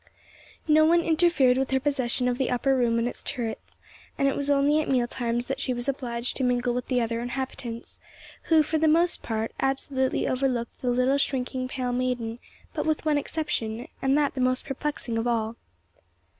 No one interfered with her possession of the upper room and its turrets; and it was only at meal times that she was obliged to mingle with the other inhabitants, who, for the most part, absolutely overlooked the little shrinking pale maiden but with one exception, and that the most perplexing of all.